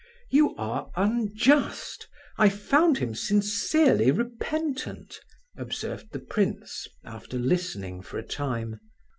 "You are unjust; I found him sincerely repentant," observed the prince, after listening for a time.